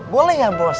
boleh ya bos